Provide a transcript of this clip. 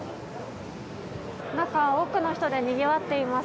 中、多くの人でにぎわっています。